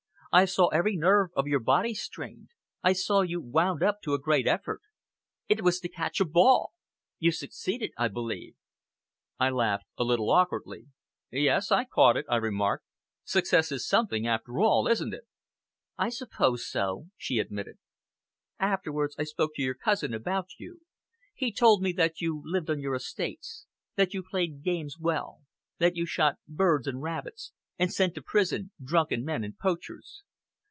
I saw every nerve of your body strained, I saw you wound up to a great effort. It was to catch a ball! You succeeded, I believe." I laughed a little awkwardly. "Yes! I caught it!" I remarked. "Success is something after all, isn't it?" "I suppose so," she admitted. "Afterwards I spoke to your cousin about you. He told me that you lived on your estates, that you played games well, that you shot birds and rabbits, and sent to prison drunken men and poachers.